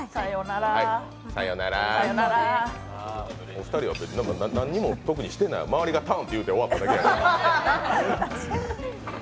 お二人は特に何もしていない、周りがタンって言って、終わっただけや。